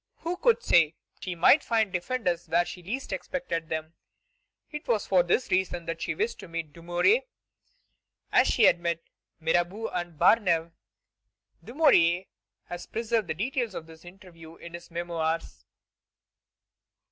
Who could say? She might find defenders where she least expected them. It was for this reason that she wished to meet Dumouriez, as she had met Mirabeau and Barnave. Dumouriez has preserved the details of this interview in his Memoirs.